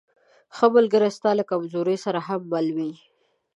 ښه ملګری ستا له کمزورۍ سره هم مل وي.